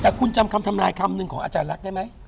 แต่คุณจำคำทำนายคำหนึ่งของอาจารย์ลักษณ์ได้ไหม